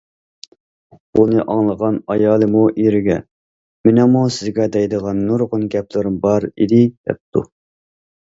بۇنى ئاڭلىغان ئايالىمۇ ئېرىگە:‹‹ مېنىڭمۇ سىزگە دەيدىغان نۇرغۇن گەپلىرىم بار ئىدى›› دەپتۇ.